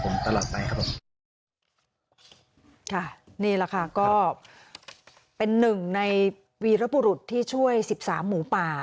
ต้องบอกว่าครั้งนั้นก็เป็นภารกิจระดับโลกอีกครั้งนึง